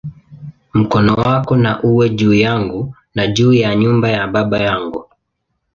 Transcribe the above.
Mkono wako na uwe juu yangu, na juu ya nyumba ya baba yangu"!